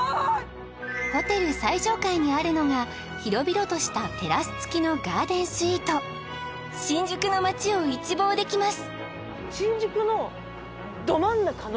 ホテル最上階にあるのが広々としたテラス付きのガーデンスイート新宿の街を一望できます